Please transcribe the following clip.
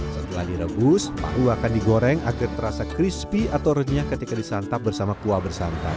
setelah direbus tahu akan digoreng agar terasa crispy atau renyah ketika disantap bersama kuah bersantan